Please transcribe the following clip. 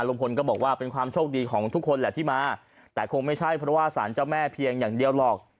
ลุงพลก็บอกว่าเป็นความโชคดีของทุกคนแหละที่มาแต่คงไม่ใช่เพราะว่าสารเจ้าแม่เพียงอย่างเดียวหรอก